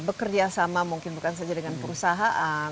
bekerja sama mungkin bukan saja dengan perusahaan